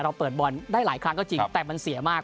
เปิดบอลได้หลายครั้งก็จริงแต่มันเสียมาก